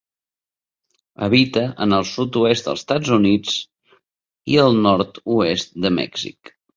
Habita en el sud-oest dels Estats Units i el nord-oest de Mèxic.